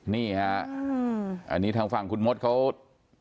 นี่ฮะอันนี้ทางฝั่งคุณมดเขา